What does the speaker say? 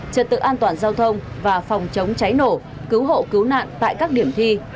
trật tự an toàn giao thông và phòng chống cháy nổ cứu hộ cứu nạn tại các điểm thi